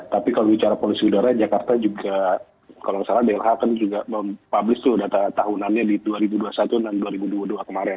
tapi kalau bicara polusi udara jakarta juga kalau salah dlh kan juga mempublish tuh data tahunannya di dua ribu dua puluh satu dan dua ribu dua puluh dua kemarin